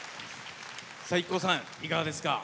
ＩＫＫＯさん、いかがですか？